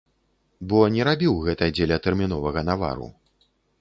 Бо не рабіў гэта дзеля тэрміновага навару.